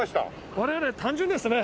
我々は単純ですね！